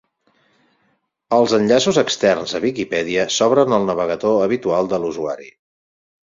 Els enllaços externs a Wikipedia s'obren al navegador habitual de l'usuari.